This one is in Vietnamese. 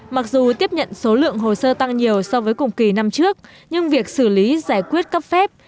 mặc dù tiếp nhận số lượng hồ sơ tăng nhiều so với cùng kỳ năm trước nhưng việc xử lý giải quyết cấp phép